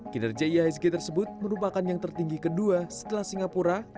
kinerja ihsg tersebut merupakan yang tertinggi kedua setelah singapura